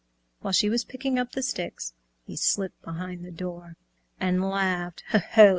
While she was picking up the sticks He slipped behind the door, And laughed "Ho! Ho!"